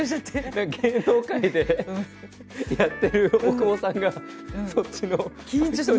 芸能界でやってる大久保さんがそっちの。